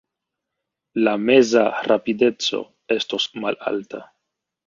La meza rapideco estos malalta.